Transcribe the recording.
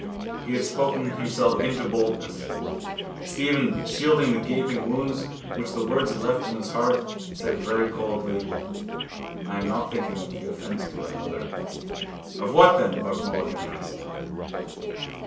He had spoken himself into boldness. Stephen, shielding the gaping wounds which the words had left in his heart, said very coldly: —I am not thinking of the offence to my mother. —Of what then? Buck Mulligan asked.